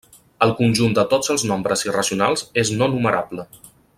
El conjunt de tots els nombres irracionals és no numerable.